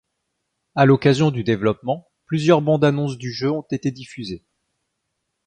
À l'occasion du développement, plusieurs bandes-annonces du jeu ont été diffusées.